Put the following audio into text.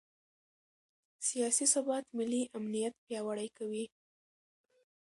سیاسي ثبات ملي امنیت پیاوړی کوي